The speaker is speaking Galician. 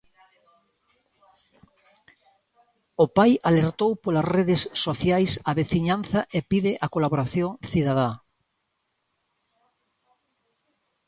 O pai alertou polas redes sociais a veciñanza e pide a colaboración cidadá.